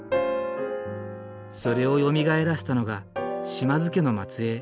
それをよみがえらせたのが島津家の末えい。